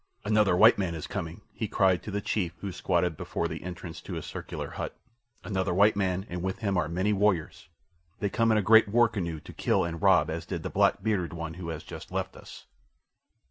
"Another white man is coming!" he cried to the chief who squatted before the entrance to his circular hut. "Another white man, and with him are many warriors. They come in a great war canoe to kill and rob as did the black bearded one who has just left us."